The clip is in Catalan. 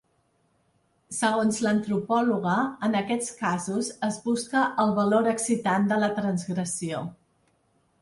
Segons l’antropòloga, en aquests casos es busca el valor excitant de la transgressió.